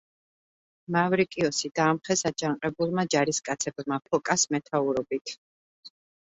მავრიკიოსი დაამხეს აჯანყებულმა ჯარისკაცებმა ფოკას მეთაურობით.